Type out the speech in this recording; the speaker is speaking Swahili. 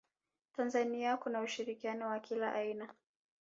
tanzania kuna ushirikiano wa kila aina